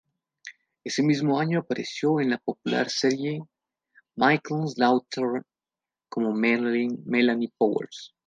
Ese mismo año apareció en la popular serie Mcleod's Daughters como Melanie Powers.